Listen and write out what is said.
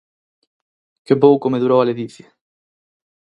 Que pouco me durou a ledicia!